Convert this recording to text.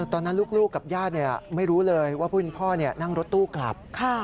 ตอนนั้นลูกกับญาติไม่รู้เลยว่าผู้เป็นพ่อนั่งรถตู้กลับ